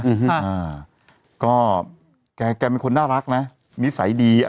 อื้อหือหือก็แกแกเป็นคนน่ารักน่ะ